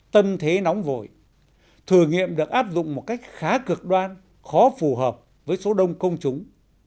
tâm thế nóng vội thử nghiệm được áp dụng một cách khá cực đoan khó phù hợp với số đông công chúng